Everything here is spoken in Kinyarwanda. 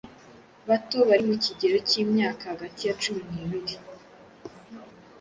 bato bari mu kigero k’imyaka hagati ya cumi n’ibiri